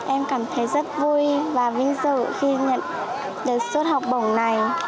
em cảm thấy rất vui và vinh dự khi nhận được suất học bổng này